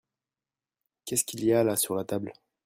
Qu'est-ce qu'il y a là sur la table ?